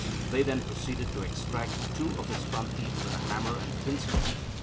They then proceeded to extract two of his front teeth with a hammer and pincers.